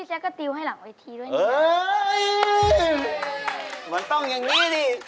เหมือนต้องอย่างนี้ดิ